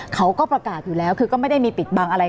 เขาก็ประกาศอยู่แล้วคือก็ไม่ได้มีปิดบังอะไร